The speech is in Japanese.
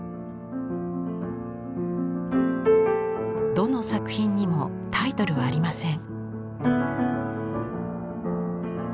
どの作品にもタイトルはありません。